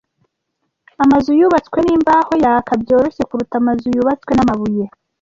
Amazu yubatswe nimbaho yaka byoroshye kuruta amazu yubatswe namabuye.